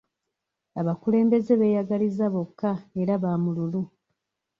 Abakulembeze beeyagaliza bokka era ba mululu.